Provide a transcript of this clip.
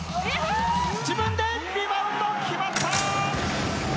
自分でリバウンド決まった！